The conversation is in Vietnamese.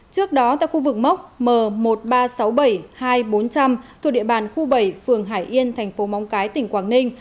trước đó tại khu vực móc m một nghìn ba trăm sáu mươi bảy hai nghìn bốn trăm linh thuộc địa bàn khu bảy phường hải yên thành phố móng cái tỉnh quảng ninh